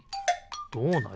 どうなる？